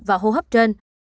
và hô hấp trên